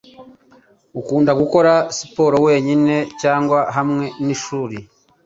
Ukunda gukora siporo wenyine cyangwa hamwe nishuri?